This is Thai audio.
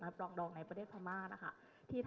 นับดองในประเทศธรรมะนะคะ